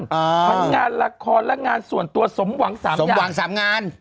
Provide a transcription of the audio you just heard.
พันงานละครละงานส่วนตัวสมหวังสามงาน